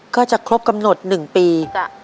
ก็จะครบกำหนด๑ปี